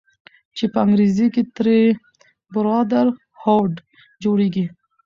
چې په انګريزۍ کښې ترې Brotherhood جوړيږي